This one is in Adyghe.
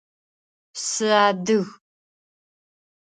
Сыадыг.